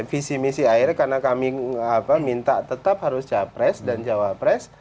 visi misi akhirnya karena kami minta tetap harus capres dan cawapres